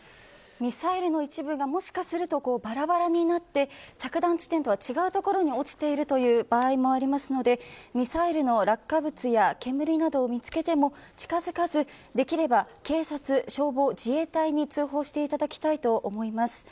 ミサイルの一部がもしかすると、ばらばらになって着弾地点と違う所に落ちている場合もありますのでミサイルの落下物や煙などを見つけても近づかずできれば警察、消防、自衛隊に通報していただきたいと思います。